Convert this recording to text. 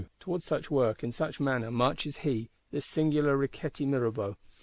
Towards such work, in such manner, marches he, this singular Riquetti Mirabeau.